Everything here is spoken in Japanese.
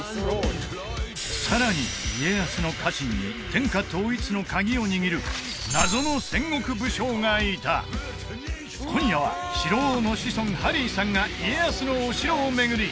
さらに家康の家臣に天下統一のカギを握る謎の戦国武将がいた今夜は城王の子孫ハリーさんが家康のお城を巡り